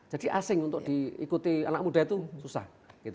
jadi asing untuk diikuti anak muda itu susah